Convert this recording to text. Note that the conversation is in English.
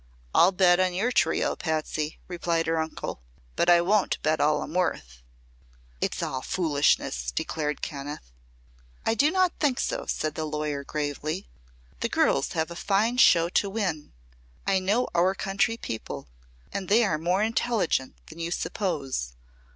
"I'll bet on your trio, Patsy," replied her uncle. "But I won't bet all I'm worth." "It's all foolishness," declared Kenneth. "I do not think so," said the lawyer, gravely. "The girls have a fine show to win. I know our country people, and they are more intelligent than you suppose.